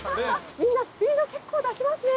みんなスピード結構出しますね。